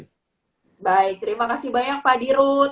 baik terima kasih banyak pak dirut